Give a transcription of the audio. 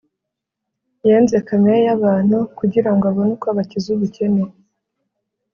Yenze kamere yabantu kugira ngw abone ukw abakizubukene